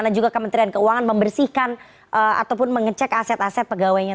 dan juga kementerian keuangan membersihkan ataupun mengecek aset aset pegawainya